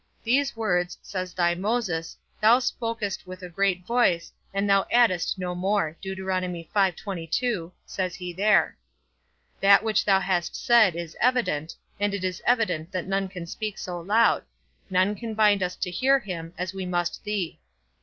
These words, says thy Moses, thou spokest with a great voice, and thou addedst no more, says he there. That which thou hast said is evident, and it is evident that none can speak so loud; none can bind us to hear him, as we must thee.